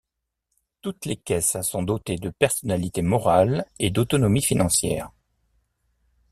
Toutes les caisses sont dotées de personnalité morale et d'autonomie financière.